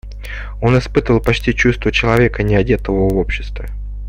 Он испытывал почти чувство человека неодетого в обществе.